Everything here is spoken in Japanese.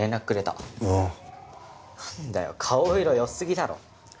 なんだよ顔色良すぎだろ。